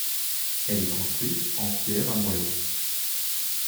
Elle est construite en pierres à moellons.